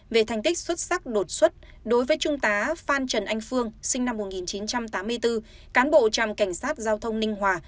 về thành tích xuất sắc đột xuất đối với trung tá phan trần anh phương sinh năm một nghìn chín trăm tám mươi bốn cán bộ trạm cảnh sát giao thông ninh hòa